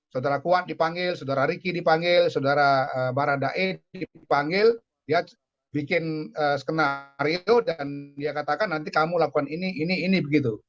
saudara kuat dipanggil saudara ricky dipanggil saudara baradae dipanggil dia bikin skenario dan dia katakan nanti kamu lakukan ini ini ini begitu